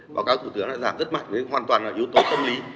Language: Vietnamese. báo cáo chủ tướng là giảm rất mạnh hoàn toàn là yếu tố không lý